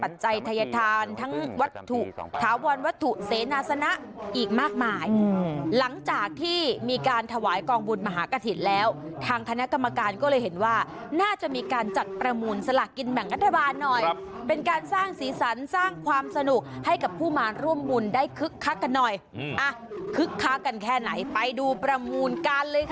ทัยธานทั้งวัตถุถาวรวัตถุเสนาสนะอีกมากมายหลังจากที่มีการถวายกองบุญมหากฐินแล้วทางคณะกรรมการก็เลยเห็นว่าน่าจะมีการจัดประมูลสลากกินแบ่งรัฐบาลหน่อยเป็นการสร้างสีสันสร้างความสนุกให้กับผู้มาร่วมบุญได้คึกคักกันหน่อยอ่ะคึกคักกันแค่ไหนไปดูประมูลกันเลยค่ะ